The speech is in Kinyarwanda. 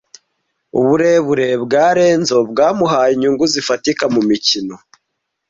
Uburebure bwa Lenzo bwamuhaye inyungu zifatika mumikino.